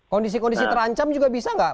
kondisi kondisi terancam juga bisa nggak